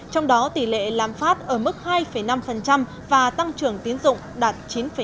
trong đó tỷ lệ làm phát ở mức hai năm và tăng trưởng tiến dụng đạt chín tám